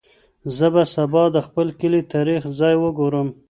زه به سبا د خپل کلي تاریخي ځای وګورم.